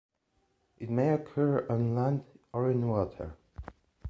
It may occur on land or in water.